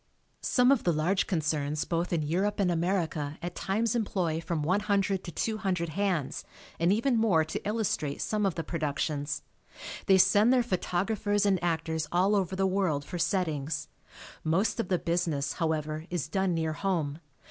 Some of the large concerns both in Europe and America at times employ from one hundred to two hundred hands and even more to illustrate some of the productions. They send their photographers and actors all over the world for settings. Most of the business, however, is done near home.